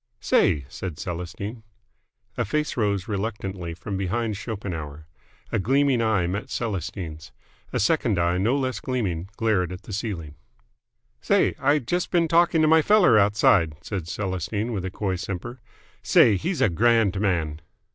"Say!" said Celestine. A face rose reluctantly from behind Schopenhauer. A gleaming eye met Celestine's. A second eye no less gleaming glared at the ceiling. "Say, I just been talking to my feller outside," said Celestine with a coy simper. "Say, he's a grand man!"